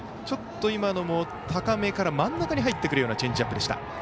ちょっと今のも高めから真ん中に入ってくるようなチェンジアップでした。